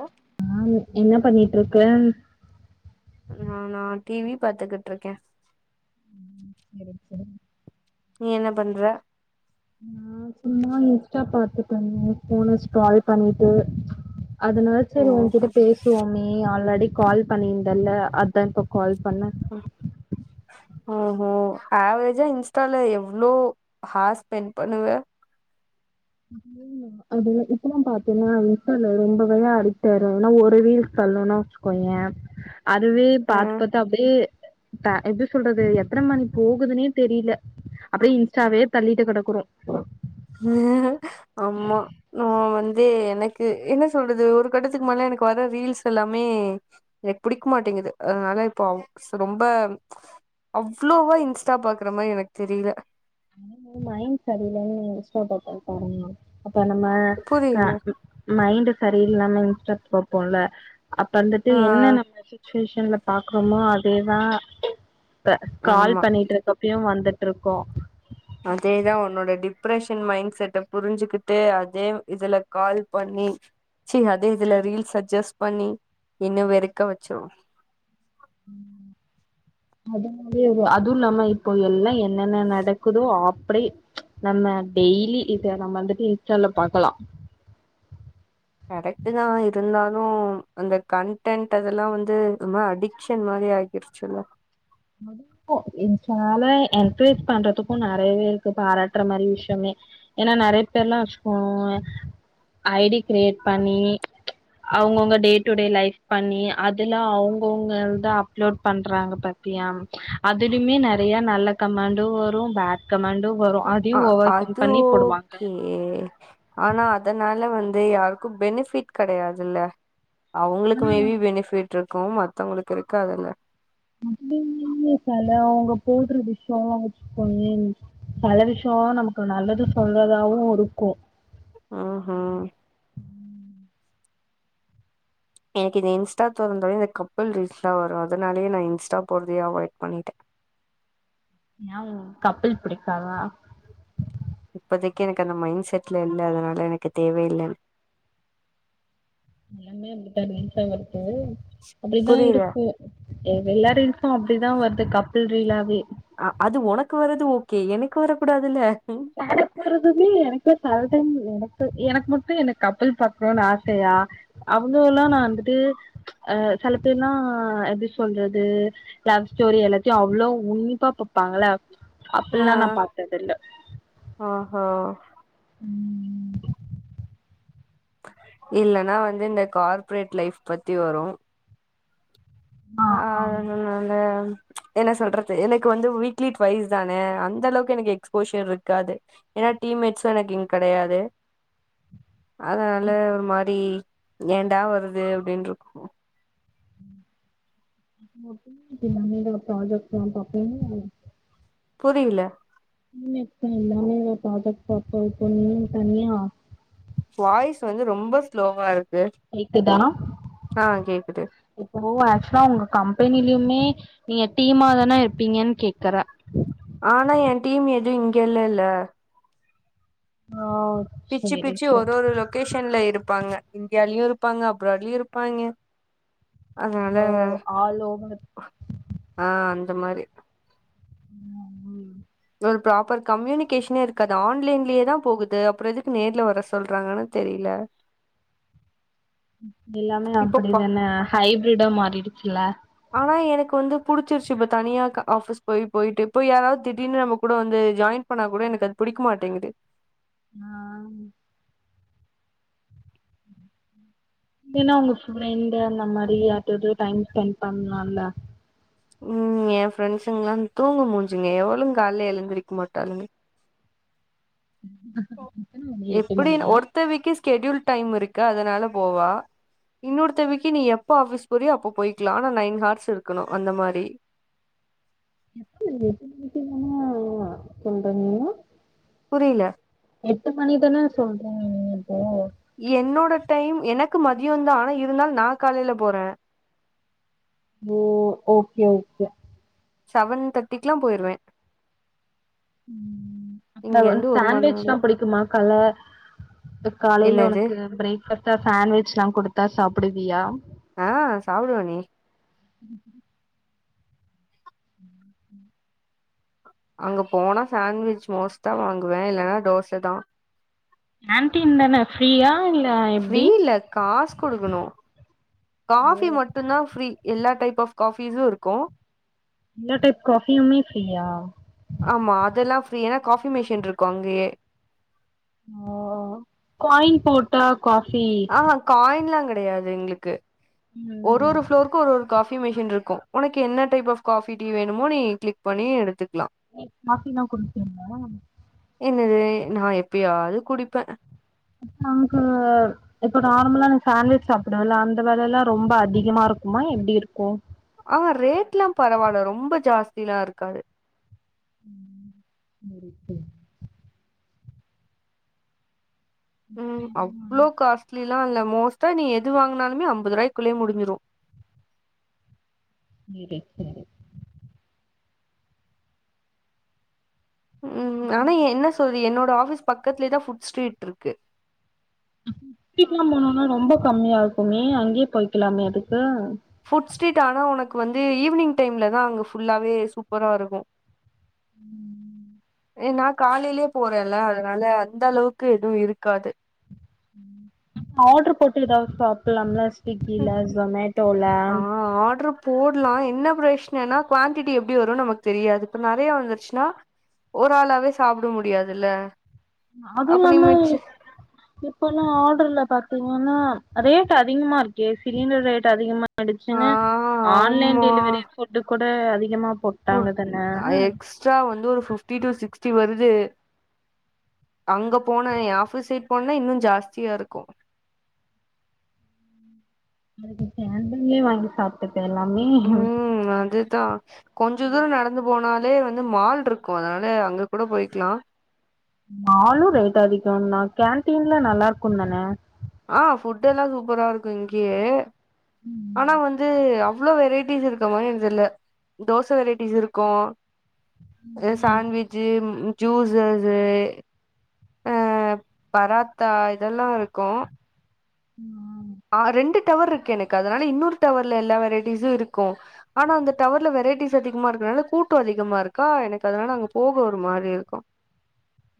ஒ நானு என்ன பண்ணிட்ருக்க ந நா டிவி பாத்துக்குட்ருக்கே இருந்ச்ச நீ என்ன பண்ற நா சும்மா இன்ஸ்டா பாத்துட்ருந்தே ஃபோன ஸ்டால் பண்ணிட்டு அதனால் ஓ சரி உங்கிட்ட பேசுவோமே ஆல்லடி கால் பண்ணிந்தல்ல அத்தா இப்ப கால் பண்ண ம் ஓஹோ ஆவ்ரேஜா இன்ஸ்டால எவ்ளோ ஹா ஸ்பெண் பண்னுவ [unintelligible] அதுல்ல இப்பதா பாத்தேன்னா இன்ஸ்டால ரொம்பவயா அடி ஆயிர்வ வெனா ஒரு ரீல்ஸ் தல்னோனா வச்சிக்கோய அதுவே பாத்து அஹ் பாத்து அப்டே த எப்டி சொல்றது எத்தன மணி போகுதுனே தெரில அப்புடே இன்ஸ்ட்டாவே தள்ளிட்டு கடக்குறோ அம்மா ந வந்து எனக் கு என்ன சொல்றது ஒரு கட்டத்துக்கு மேல எனக்கு வர ரீல்ஸ் எல்லாமே எனக் புடிக் மாட்டேங்கிது அ அதுனால இப்போ ஸ் ரொம்ப அவ்ளோவா இன்ஸ்டா பாக்குற மாரி எனக் தெரிய்ல மணி மூ மைண்ட் சரியில்ல இன்ஸ்டா பக்கோ போறங்க அப்ப நம்ம புரியல க மைண்டு சரியில்லாம இன்ஸ்ட்டா பப்போல்ல அப் அந்துட்டு ஆ என்ன நம்ம சிச்வேஷன்ல பாக்றோமோ அதேதா இப்ப கால் ஆமா பண்ணிட்ருக்கப்யு வந்துட்ருக்கு அதேதா உன்னோட டிப் டிப்ரஷன் மைண்ட் செட்ட புரிஞ்சுகிட்டு அதே இதுல கால் பண்ணி ச்சீ அதே இதுல ரீல்ஸ் அஜஸ்ட் பண்ணி இன்னு வெறுக்க வச்சீ ம் அதுவு இல்லாம இப்போ எல்லா என்னென்ன நடக்குதோ அப்டியே நம்ம டெய்லி இத நம்ம வந்துட்டு இன்ஸ்டால பாக்கலா கரெக்ட் தா இருந்தாலு அந்த கன்டென்ட் அதெல்லா வந்து ஒருமாறி அடிக்ஷன் மாரி ஆய் திருச்சில்ல அட இப்போ இன்ஸ்டால என்கரேஜ் பண்றதுக்கு நெறையவே இருக்கு பாராட்ற மாரி விஷியமே ஏனா நெறைய பேர்ல்லா வச்சுக்கோங்க ஐடி கிரியேட் பண்ணி அவுங்கவுங்க டே டு டே லைஃப் பண்ணி அதுல அவுங்கவுங்கள்தா அப்லோட் பண்றாங்க அப்டியா அதுலயுமே நெறைய நல்ல கமண்ட்டு வரு பேட் கமெண்ட்டு வரு அதயு ஓவர் கம் பண்ணி போடுவாங்க ஏ ஆனா அதனால வந்து யாருக்கு பெனிஃபிட் கெடையாதுல்ல அவுங்களுக்கு ஆனா மேபி பெனிஃபிட் இருக்கு மத்தவங்களுக்கு இருக்காதுல முது சல அவுங்க போடுற விஷியோல்லா வச்சுக்கோயே பல விஷியோ நமக்கு நல்லது சொல்றதாவு இருக்கு ஆ எனக்கு இந்த இன்ஸ்டா தொறந்தாலே இந்த கப்புள் ரீஸ்லா வரு அதனாலயே நா இன்ஸ்ட போறதயே அவாய்ட் பண்ணிட்டே ஏ உங்ளுக் கப்பில் பிடிக்காதா இப்போதைக்கு எனக்கு அந்த மைண்ட் செட்ல இல்ல அதனால எனக்கு தேவ இல்லன் எல்லாமே அப்டிதா ரீல்சா வருது அப்டிதா புரியல இருக்கு எல்லா ரீல்ஸ்வு அப்டிதா வருது கப்பில் ரீல்ஸாவே அ அது ஒனக்கு வர்றது ஓகே எனக்கு வர கூடாதுல அப்ப போறதுமே எனக்கு செலடைம் எனக்கு எனக்கு மட்டு என்ன கப்பில் பாக்குணும்ன்னு ஆசையா அவ்ளோல்லா நா வந்துட்டு அ சில பேர்ல்லா ஆ எப்டி சொல்றது லவ் ஸ்டோரி எல்லாத்தையு அவ்ளோ உன்னிப்பா பாப்பாங்கள்ள அப்டி எல்லா நா பாத்தது இல்ல ஆ ஆ ம் ம் இல்லன்னா வந்து இந்த கார்ப்பரேட் லைஃப் பத்தி வரு ஆ அதனால என்ன சொல்றது எனக்கு வந்து வீக்லி ட்டுவைஸ் தானே அந்த அளவுக்கு எனக்கு எக் ஸ்போஷர் இருக்காது ஏனா டீம்மேட்ஸும் எனக்கு இங்க கெடையாது அதனால ஒரு மாரி ஏன்டா வருது அப்டின்னு இருக்கு [unintelligible] ப்ராஜெக்ட் பண்ணி பாப்பிங்கிங்லா என்ன புரியில ம் எப்ப தானே ப்ராஜெக்ட் பாப்போ இப்போ இன்னு தனியா வாய்ஸ் வந்து ரொம்ப ஸ்லோவா இருக்கு கேக்குதா ஆ கேக்குது இப்போ ஆக்சுவலா உங்க கம்பெனிலயுமே நீங்க டீமா தான இருப்பீங்கன்னு கேக்குறா ஆனா எ டீம் எதுவு இங்க இல்லேல ஆ பிச்சு சேரி பிச்சு சேரி ஒரு ஒரு லொகேஷன்ல இருப்பாங்க இந்தியாலயு இருப்பாங்க அப்ராட்லயு இருப்பாய்ங்க அதனால ஓ! ஆல் ஓவர் ஆ அந்த மாரி ம் ம் ஒரு ப்ராப்பர் கம்யூனிகேஷ்னே இருக்காது ஆன்லைன்லயே தா போகுது அப்றோ எதுக்கு நேர்ல வர சொல்றாங்கன்னு தெரியல எல்லாமே இப்பப்பா அப்படிதான ஹைப்ரிடா மாறிடுச்சுல ஆனா எனக்கு வந்து புடிச்சிருச்சு இப்ப தனியா ஆபிஸ் போய் போயிட்டு இப்போ யாராவது திடீர்னு நம்ம கூட வந்து ஜாயிண்ட் பண்ணா கூட எனக்கு அது புடிக்க மாட்டேங்குது ம் இல்லன்னா உங்க ஃப்ரெண்டு அந்த மாரி யார்டையாது டைம் ஸ்பெண்ட் பண்ணலால்ல ம் எ ஃப்ரெண்ட்ஸுங்கல்லா தூங்க மூஞ்சுங்க எவளும் காலையில எழுந்திருக்க மாட்டாலுங்க [inaudible] மணி எப்படின் மணியா? ஒருத்த வீக்கு ஸ்கெடூல் டைம் இருக்கு அதனால போவா இன்னொரு தேவைக்கு நீ எப்ப ஆஃபீஸ் போரியோ அப்ப போயிக்கலா ஆனா நைன் ஹார்ஸ் இருக்கணு அந்த மாரி எப்ப [unintelligible] மீட்டிங்ன்னா ஓ சொல்றாங்களா புரியல எட்டு மணி தானே சொல்றீங்க இப்போ என்னோட டைம் எனக்கு மதிய தா ஆனா இருந்தாலு நா காலையில போறே ஓ ஓகே ஓகே செவன் தேர்ட்டிக்குல்லா போயிருவே ம் இங்க அப்பற இருந்து ஒரு மணி சாண்ட்விச்தா நேரம் புடிக்குமா கால்ல காலையில என்னது உனக்கு பிரேக் கட்டா சாண்ட்விச் எல்லா குடுத்தா சாப்புடுவியா ஆ சாப்புடுவேனே ம் அங்க போனா சாண்ட்விச் மோஸ்ட்டா வாங்குவே இல்லைன்னா தோச தா கேண்டீன் தான ஃப்ரீயா இல்ல ஃப்ரீ எப்டி? இல்ல காசு குடுக்கணு ஓ! காபி மட் டுந்தா ஃப்ரீ எல்லா டைப் ஆஃப் காபிஸு இருக்கு இந்த டைப் காஃபி யுமே ஃப்ரீயா ஆமா அதெல்லா ஃப்ரீ ஏன்னா காஃபி மெஷின் இருக்கு அங்கயே ஓ காயின் போட்டா காபி ஆ காயின்லா கெடையாது எங்களுக்கு ம் ஒரு ஒரு ஃப்ளோருக்கு ஒரு ஒரு காபி மெஷின் இருக்கு உனக்கு என்ன டைப் ஆப் காஃபி டீ வேணுமோ நீ க்ளிக் பண்ணி எடுத்துக்கலா காபினா குடிப்பீங்களா இல்ல நா எப்பயாவது குடிப்பே [unintelligible] இப்ப நார்மலா சாண்வெஜ் சாப்பிடுவேல அந்த வேலைய எல்லா ரொம்ப அதிகமா இருக்குமா எப்டி இருக்கு ஆ ரேட்ல்லா பரவால்ல ரொம்ப ஜாஸ்தில்லா இருக்காது ம் சரிப்ப ம் அவ்ளோ காஸ்ட்லில்லா இல்ல மோஸ்டா நீ எது வாங்கனாலு அம்பது ரூபாய்குள்ளே முடிச்சிரு மீட்டிங் ம் ஆனா என்ன சொல்றது என்னோட ஆஃபீஸ் பக்கத்துலயே தா ஃபுட் ஸ்ரீரீட் இருக்கு வல்லா போனோனா ரொம்ப கம்மியா இருக்குமே அங்கேயே கழிக்கலாமே அதுக்கு ஃபுட் ஸ்ட்ரீட் ஆனா உனக்கு வந்து ஈவினிங் டைம்ல தா அங்க ஃபுல்லாவே சூப்பரா இருக்கு ம் ஏ நா காலையிலயே போறேன்ல அதனால அந்த அளவுக்கு எதுவு இருக்காது ஆர்டர் போட்டு ஏதாவது சாப்டலாம்ல ம். ஸ்விக்கில ஜொமேட்டோல போட்லா‌ என்ன ப்ரெஷ்னனா குவான்டிட்டி எப்டி வருன் நமக் தெரியாது இப்ப நெறைய வந்துர்ச்சுனா ஒரு ஆளாவே சாப்பிட முடியாதுல்ல அப்ப நீ அதுவுல்லாம மிச்ச இப்பல்லா ஆர்டர்ல பாத்தீங்கன்னா ரேட் அதிகமா இருக்கே சிலிண்டர் ரேட் அதிகமா ஆ ஆடுசுன்னு ஆன்லைன் ஆமா டெலிவரி ஃபுட்டு கூட அதிகமா போட் டாங்கதான ச்சா வந்து ஒரு ஃபிஃப்டி டூ சிக்ஸ்டி வருது அங்க போன எ ஆபீஸ் சைட் போனா இன்னு ஜாஸ்தியா இருக்கு அதுக்கு கேம்பில்லே வாங்கி சாப்ட்டுக்கலாமே ம் அதுதா கொஞ்ச தூரோ நடந்து போனாலே வந்து மால்ட்ருக்கு அதனால அங்க கூட போயிக்கலா மாலு ரேட் அதிகோந்தா கேன்டீன்ல நல்லா இருக்குந் தான ஆ ஃபுட்டெல்லா சூப்பரா இருக்கு இங்கியே ஆனா வந்து அவ்ளோ வெரைட்டிஸ் இருக் கமாரி எனக்கு தெர்ல தோச வெரைட்டிஸ் இருக்கு அ ம் சான்வி ஜ்ஜி ஜூசஸ்ஸு ஆ பராத்தா இதெல்லா இருக்கு ம் அ ஆ ரெண்டு டவர்ருக்கு எனக்கு அதனால இன்னொரு டவர்ல எல்லா வெரைட்டிஸு இருக்கு ஆனா அந்த டவர்ல வெரைட்டிஸ் அதிகமா இருக்கிறனால கூட்டோ அதிகமா இருக்கா எனக்கு அதனால அங்க போக ஒரு மாரி இருக்கு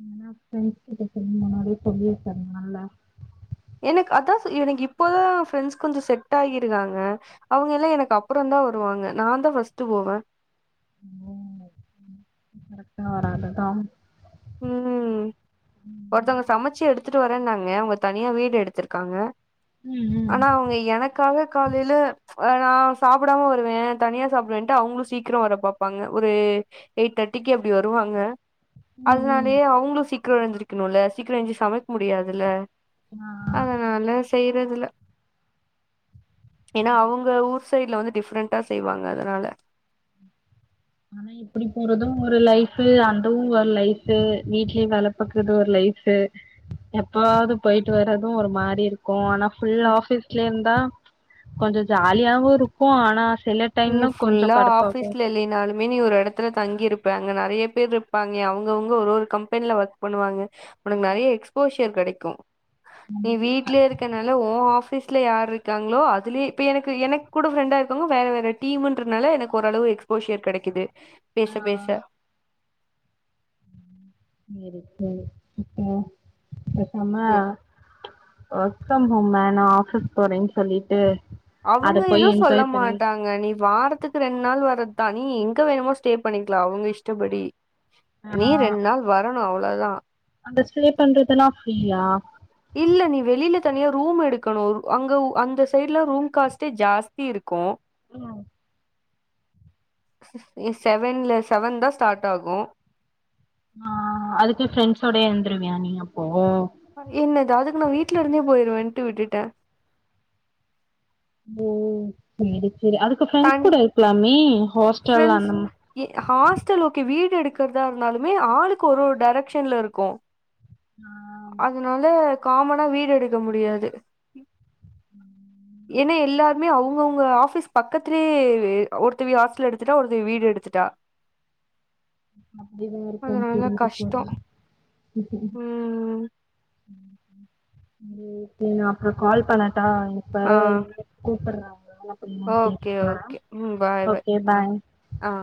எதனா ஃப்ரெண்ஸ்கிட்ட சொல்லி முன்னாடியே சொல்லி வெச்சிருந்தால்ல எனக்கு அதா சொ எனக்கு இப்போதா ஃப்ரெண்ஸ் கொஞ்ச செட் ஆகிருக்காங்க அவங்க எல்லா எனக்கு அப்புறந்தா வருவாங்க நாந் தா ஃபஸ்ட்டு போவே ஓ [unintelligible] கரெக்டா வராதுதா ம் ஒருத்தவங்க ம் சமச்சு எடுத்துட்டு வரேன்னாங்க அவுங்க தனியா வீடு எடுத்திருக்காங்க ம் ஆனா அவுங்க எனக்காக காலில ஆ நா சாப்பிடாம வருவே தனியா சாப்டுவேன்ட்டு அவுங்களு சீக்கிரோ வர பாப்பாங்க ஒரு எயிட் தேட்டிக்கு அப்டி வருவாங்க ம் ம் அதனாலயே அவுங்ளு சீக்கிரோ எழுத்திருக்கணுல சீக்கிரோ ஏஞசி சமைக் முடியாதுல்ல ஆ அதனால செய்றதில்ல ஏனா அவுங்க ஊர் சைட்ல வந்து டிஃப்ரெண்டா செய்வாங்க அதனால ஆனா இப் இப்படி போறது ஒரு லைஃபு அந்தவு ஒரு லைஃபு வீட்லே வேல பாக்கறது ஒரு லைஃபு எப்பவாவ்து போய்ட்டு வரது ஒரு மாரி இரு க்கு ஆனா ஃபுல்ல ஆபீஸ்லே இருந்தா கொஞ்சோ ஜாலியாவு இருக்கு ஆனா செல நீ ஃபுல்லா ஆஃபீஸ்ல இல்லைனாலு மே நீ ஒரு எடத்துல தங்கிருப்ப அங்க நெறய பேர் ருப்பாங்க அவுங்கவுங்க ஒரு ஒரு கம்பெனில ஒர்க் பண்ணுவாங்க உனக்கு நெறய எக்ஸ்போஷியர் கெடைக்கு நீ வீட்லே இருக்கனால உ ஆ ஃபீஸ்ல யார் ருக்காங்ளோ அதுலியே இப்ப எனக்கு எனக் கூட ஃப்ரெண்டா இருக்றவ்ங்க வேற வேற டீமுன்றத்னால எனக்கு ஓரளவு எக்ஸ்போஷியர் கெடைக்குது ஆ பேச பேச செரி செரி அ பெசாம ஒர்க் ஃப்ரம் ஹோம் வேணா ஆஃபீஸ் போறேன் சொல்லிட்டு அத அவுங்க போய் எதுவு சொல்ல என்ஜாய் பண்ணு மாட்டாங் நீ வாரத்துக்கு ரெண்ட் நாள் வரத்தா நீ எங்க வேணுமோ ஸ்டே பண்ணிக்கலா அவுங்க இஷ்டப்படி ஆ நீ ரெண் நாள் வரணு அவ்ளதா அந்த ஸ்டே பண்றதெல்லா ஃப்ரீயா இல்ல நீ வெளில தனியா ரூம் எடுக்கணு அங்க அந்த சைடு் எல்லா ரூம் காஸ்ட்டே ஜாஸ்தி இருக்கு ஸ் செவன்ல செவன் தா ஸ்டார்ட் ஆகு ஆ அதுக்கு ஃப்ரெண்ட்ஸ்யோட இருந்துருவியா நீ அப்போ என்னது அதுக்கு நா வீட்ல இருந்தே போயிருவேன்ட்டு விட்டுட்ட ஓ சேரி சேரி அதுக்கு ஃப்ரெண்ட்ஸ் தனி கூட இருக்கலாமே ஹாஸ்டல் ஃப்ரெண்ட்ஸ் அந்தமா ஹாஸ்டல் ஓகே வீடு எடுக்கிறதா இருந்தாலுமே ஆளுக்கு ஒரு ஒரு டைரக்ஷன்ல இருக்கோ ஆ அதனால காமனா வீடு எடுக்க முடியாது ஏனே எல்லாருமே அவங்கவுங்க ஆபீஸ் பக்கத்துலேயே வே ஆவ் ஒருத்தவி ஹாஸ்டல் எடுத்துட்டா ஒருத்தவி வீடு எடுத்துட்டா அப்டிதா இருக்கு அதனால புரியுது கஷ்டோ புரியுது ம் [unintelligible] நா அப்றோ கால் பண்ணட்டா இப்பேர ஆ வந்து கூப்டுறாங்க ஓகே ஓகே ம் பாய் பாய் ஆ ஆ